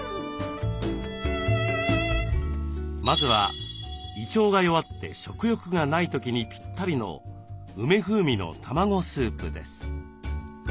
まずは胃腸が弱って食欲がない時にぴったりの「梅風味の卵スープ」です。